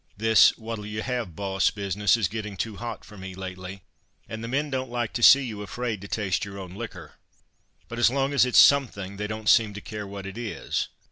This 'What'll you have, Boss?' business, is getting too hot for me lately, and the men don't like to see you afraid to taste your own liquor. But, as long as it's something, they don't seem to care what it is.